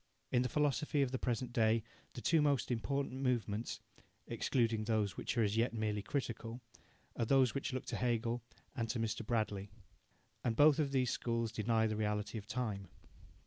In the philosophy of the present day the two most important movements (excluding those which are as yet merely critical) are those which look to Hegel and to Mr. Bradley. And both of these schools deny the reality of time.